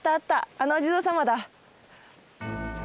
あのお地蔵様だ。